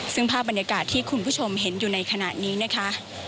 ซึ่งภาพบรรยากาศที่คุณผู้ชมเห็นอยู่ในขณะนี้นะคะ